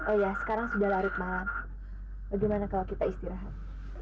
oh ya sekarang sudah larut malam bagaimana kalau kita istirahat